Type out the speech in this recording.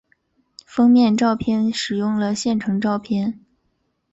封面照片使用了现成照片。